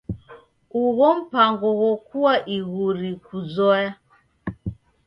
Ugho mpango ghokua iguri kuzoya.